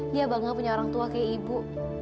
dia bangga punya orang tua kayak ibu